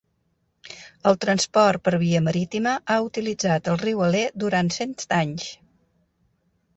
El transport per via marítima ha utilitzat el riu Aller durant cents d'anys.